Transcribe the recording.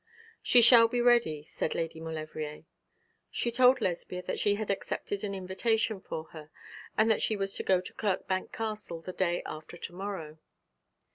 'She shall be ready,' said Lady Maulevrier. She told Lesbia that she had accepted an invitation for her, and that she was to go to Kirkbank Castle the day after to morrow.